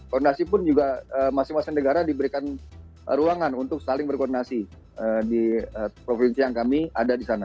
koordinasi pun juga masing masing negara diberikan ruangan untuk saling berkoordinasi di provinsi yang kami ada di sana